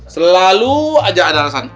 selalu aja ada alasan